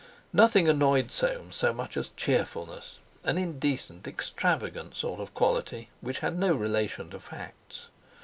Nothing annoyed Soames so much as cheerfulness—an indecent, extravagant sort of quality, which had no relation to facts.